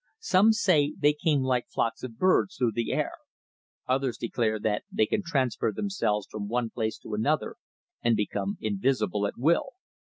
Some say they came like flocks of birds through the air; others declare that they can transfer themselves from one place to another and become invisible at will.